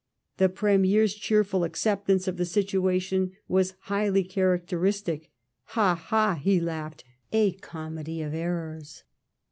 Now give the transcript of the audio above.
The Premier's cheerful acceptance of the situation was highly charac teristic :Ha, ha !" he laughed, " a comedy of errors."